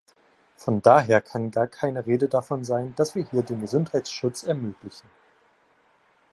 Von daher kann gar keine Rede davon sein, dass wir hier den Gesundheitsschutz ermöglichen.